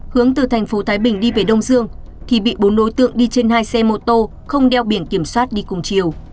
hướng từ thành phố thái bình đi về đông dương thì bị bốn đối tượng đi trên hai xe mô tô không đeo biển kiểm soát đi cùng chiều